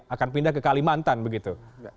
akan pindah ke kalimantan begitu